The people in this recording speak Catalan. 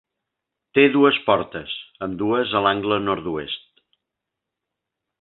Té dues portes, ambdues a l'angle Nord-oest.